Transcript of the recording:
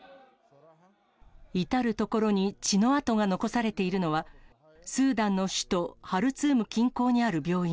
至る所に血の跡が残されているのは、スーダンの首都ハルツーム近郊にある病院。